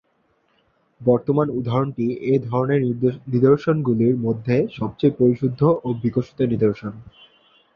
বর্তমান উদাহরণটি এ ধরনের নিদর্শনগুলির মধ্যে সবচেয়ে পরিশুদ্ধ ও বিকশিত নিদর্শন।